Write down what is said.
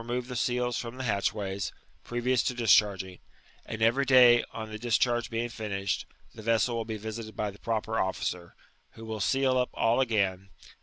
21 die seal0 from the hftlcbwaj^s, previous to dischai^ng; and every day, on the discharge bem^ 'finished, the vessel will be visited hy the proper officer, who will seal all up again.